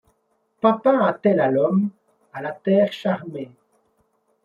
Papin attelle à l’homme, à la terre charmée